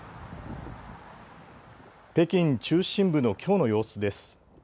北京中心部のきょうの様子です。